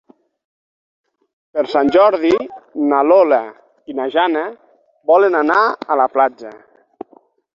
Per Sant Jordi na Lola i na Jana volen anar a la platja.